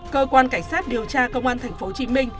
cơ quan cảnh sát điều tra công an tp hcm